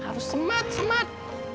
harus semat semat